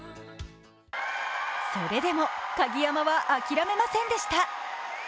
それでも鍵山はあきらめませんでした。